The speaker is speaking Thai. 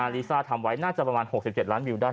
ลิซ่าทำไว้น่าจะประมาณ๖๗ล้านวิวได้